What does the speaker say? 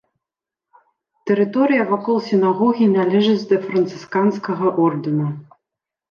Тэрыторыя вакол сінагогі належыць да францысканскага ордэна.